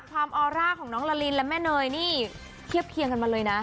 ออร่าของน้องละลินและแม่เนยนี่เทียบเคียงกันมาเลยนะ